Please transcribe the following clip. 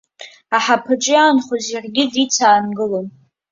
Аҳаԥаҿы иаанхоз иаргьы дицаангылон.